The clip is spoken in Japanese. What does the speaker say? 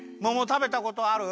たべたことある？